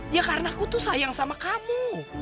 ya karena aku tuh sayang sama kamu